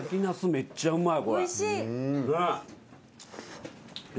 めっちゃうまい。